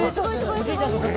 おじいちゃんと競争だ。